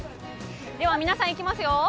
では皆さんいきますよ。